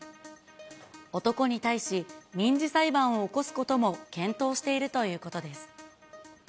男に対し、民事裁判を起こすことも検討しているということです。